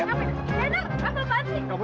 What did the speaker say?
gak boleh denger